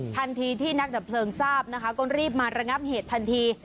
ทันทีที่นักดับเพลิงทราบนะคะก็รีบมาระงับเหตุทันที